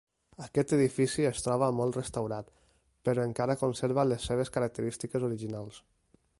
Aquest edifici es troba molt restaurat, però encara conserva les seves característiques originals.